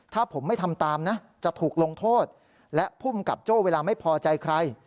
ถ้าผมไม่ทำตามนะจะถูกลงโทษและภูมิกับโจ้เวลาไม่พอใจใคร